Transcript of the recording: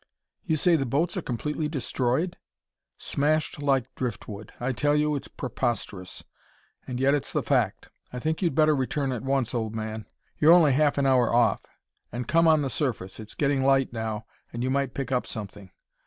"You say the boats are completely destroyed?" "Smashed like driftwood. I tell you it's preposterous and yet it's the fact. I think you'd better return at once, old man; you're only half an hour off. And come on the surface; it's getting light now, and you might pick up something.